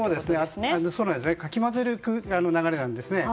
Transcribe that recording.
かき混ぜる流れなんですね。